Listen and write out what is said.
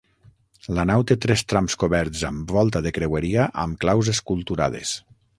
La nau té tres trams coberts amb volta de creueria amb claus esculturades.